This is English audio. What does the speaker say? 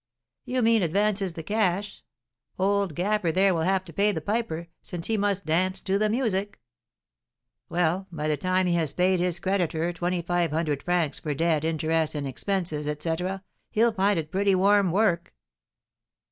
"You mean, advances the cash. Old Gaffer there will have to pay the piper, since he must dance to the music." "Well, by the time he has paid his creditor 2,500 francs for debt, interest, and expenses, etc., he'll find it pretty warm work."